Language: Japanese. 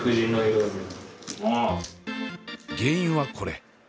原因はこれ。